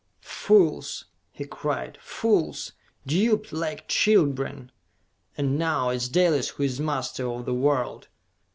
"Fools!" he cried. "Fools! Duped like children! And now it is Dalis who is master of the world!